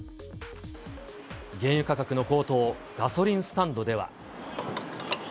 原油価格の高騰、ガソリンスタンドでは。